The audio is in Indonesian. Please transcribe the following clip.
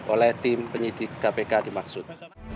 oleh tim penyidik kpk dimaksud